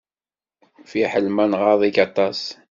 Fiḥel ma tɣaḍ-ik aṭas.